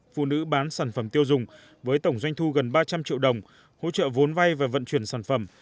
phụ nữ bán sản phẩm tiêu dùng với tổng doanh thu gần ba trăm linh triệu đồng hỗ trợ vốn vay và vận chuyển sản phẩm